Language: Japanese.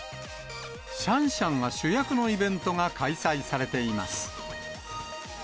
シャンシャンが主役のイベントが開催されています。